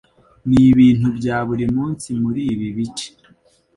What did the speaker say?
Nibintu bya buri munsi muri ibi bice.